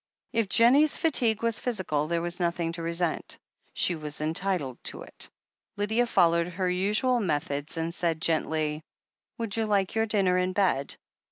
If Jennie's fatigue was physical, there was nothing to resent. She was entitled to it. Lydia followed her usual methods and said gently : "Would you like your dinner in bed?